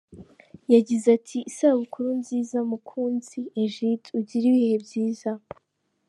Yagize ati: “Isabukuru nziza mukunzi Egide, Ugire ibihe byiza.